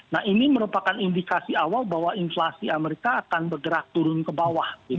nah ini merupakan indikasi awal bahwa inflasi amerika akan bergerak turun ke bawah